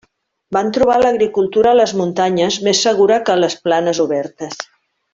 Van trobar l'agricultura a les muntanyes més segura que a les planes obertes.